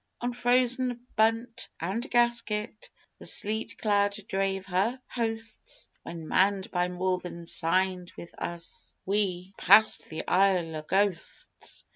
On frozen bunt and gasket The sleet cloud drave her hosts, When, manned by more than signed with us, We passed the Isle o' Ghosts!